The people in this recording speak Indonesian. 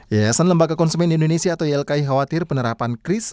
yayasan lembaga konsumen indonesia atau ylki khawatir penerapan kris